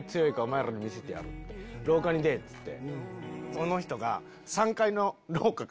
その人が。